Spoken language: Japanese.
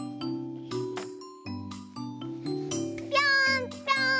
ぴょんぴょん！